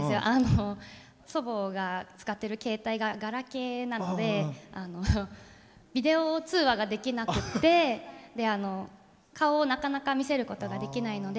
祖母が使ってる携帯がガラケーなのでビデオ通話ができなくて顔をなかなか見せることができないので。